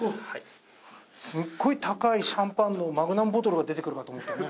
すっごい高いシャンパンのマグナムボトルが出てくるかと思ったね。